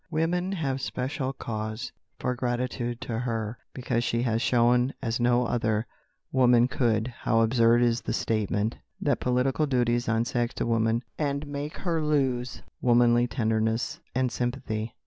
Women have special cause for gratitude to her, because she has shown, as no other woman could, how absurd is the statement that political duties unsex a woman, and make her lose womanly tenderness and sympathy.